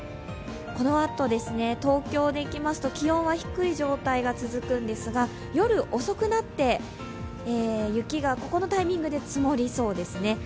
このあと、東京でいきますと気温は低い状態が続くんですが夜遅くなって雪が、ここのタイミングで積もりそうですね。